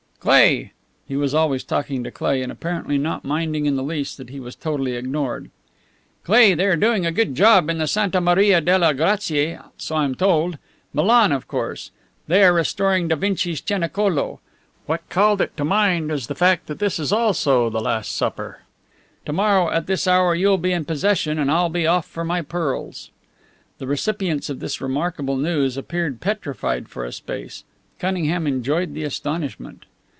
"Cleigh" he was always talking to Cleigh, and apparently not minding in the least that he was totally ignored "Cleigh, they are doing a good job in the Santa Maria delle Grazie, so I am told. Milan, of course. They are restoring Da Vinci's Cenacolo. What called it to mind is the fact that this is also the last supper. To morrow at this hour you will be in possession and I'll be off for my pearls." The recipients of this remarkable news appeared petrified for a space. Cunningham enjoyed the astonishment.